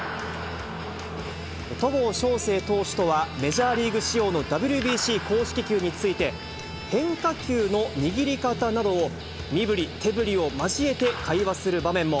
戸郷翔征投手とは、メジャーリーグ仕様のＷＢＣ公式球について、変化球の握り方などを、身ぶり手ぶりを交えて会話する場面も。